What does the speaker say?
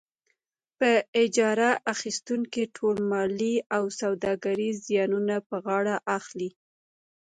په اجاره اخیستونکی ټول مالي او سوداګریز زیانونه په غاړه اخلي.